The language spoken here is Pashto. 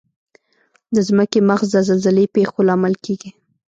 د ځمکې مغز د زلزلې پېښو لامل کیږي.